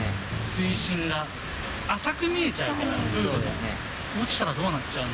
水深が浅く見えちゃう。